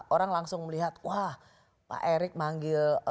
orang langsung melihat wah pak erick manggil